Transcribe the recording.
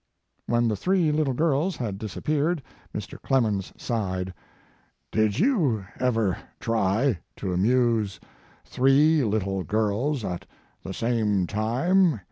1 When the three little girls had dis appeared Mr. Clemens sighed. Did you ever try to amuse three little girls at the same time?